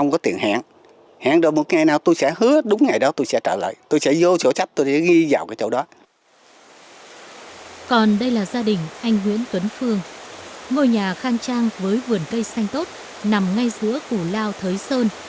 ngôi nhà khang trang với vườn cây xanh tốt nằm ngay giữa củ lao thới sơn